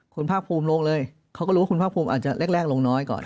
คุณภาคภูมิลงเลยเขาก็รู้ว่าคุณภาคภูมิอาจจะแรกลงน้อยก่อน